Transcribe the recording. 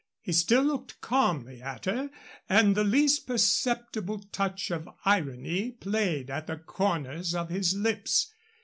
He still looked calmly at her, and the least perceptible touch of irony played at the corners of his lips.